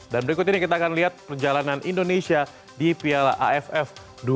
dan berikut ini kita akan lihat perjalanan indonesia di piala aff dua ribu dua puluh dua